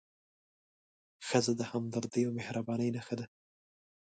ښځه د همدردۍ او مهربانۍ نښه ده.